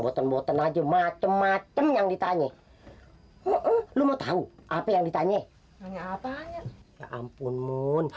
boten boten aja macem macem yang ditanya lu mau tahu apa yang ditanya nanya apa ya ampun mun